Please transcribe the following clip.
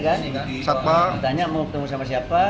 kita ketemu sama siapa